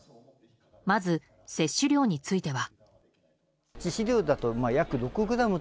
まず、摂取量については。